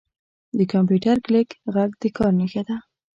• د کمپیوټر کلیک ږغ د کار نښه ده.